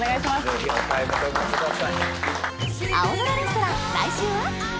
ぜひお買い求めください。